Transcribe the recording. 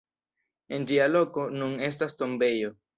En ĝia loko nun estas tombejo.